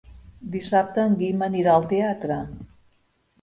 Dissabte en Guim anirà al teatre.